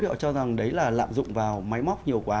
liệu cho rằng đấy là lạm dụng vào máy móc nhiều quá